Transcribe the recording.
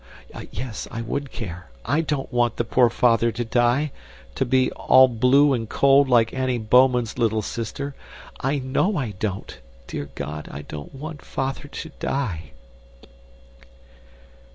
Yes, I would care; I don't want the poor father to die, to be all blue and cold like Annie Bouman's little sister. I KNOW I don't. Dear God, I don't want Father to die.